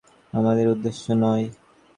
সর্বদা মনে রাখবে, নামযশ আমাদের উদ্দেশ্য নয়।